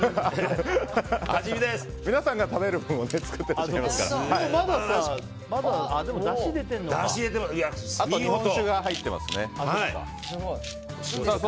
皆さんが食べるものを作ってらっしゃいますから。